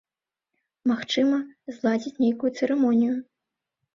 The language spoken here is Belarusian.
Магчыма, зладзяць нейкую цырымонію.